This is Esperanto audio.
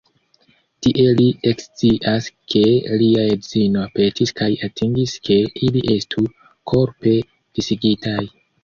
Tie li ekscias ke lia edzino petis kaj atingis ke ili estu "korpe disigitaj".